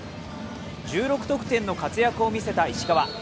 １６得点の活躍を見せた石川。